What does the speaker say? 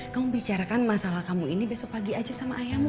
kamu bicarakan masalah kamu ini besok pagi aja sama ayahmu